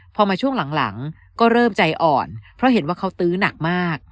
พอมาช่วงหลังก็เริ่มใจอ่อนเพราะเห็นว่าเขาตื้อหนักมาก